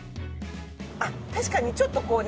あっ確かにちょっとこうね。